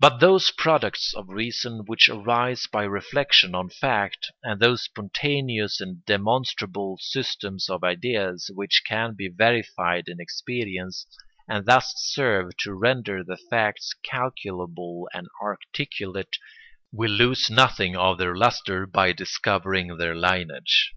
But those products of reason which arise by reflection on fact, and those spontaneous and demonstrable systems of ideas which can be verified in experience, and thus serve to render the facts calculable and articulate, will lose nothing of their lustre by discovering their lineage.